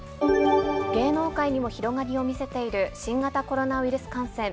芸能界にも広がりを見せている新型コロナウイルス感染。